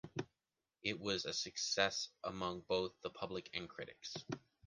It was a success among both the public and critics.